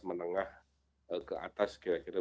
menengah ke atas kira kira